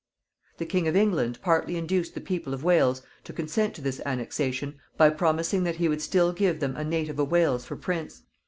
The King of England partly induced the people of Wales to consent to this annexation by promising that he would still give them a native of Wales for prince.